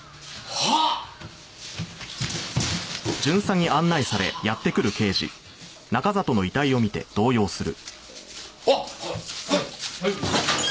はい。